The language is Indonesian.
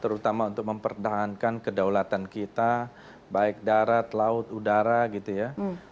terutama untuk mempertahankan kedaulatan kita baik darat laut udara gitu ya